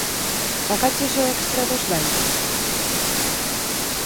Pagaches o extra dos baixos?